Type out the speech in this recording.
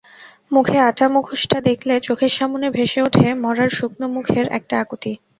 মুখে আঁটা মুখোশটা দেখলে চোখের সামনে ভেসে ওঠে মড়ার শুকনো মুখের একটা আকুতি।